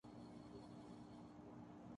بیل گاڑی کی رفتار یہی رہے گی۔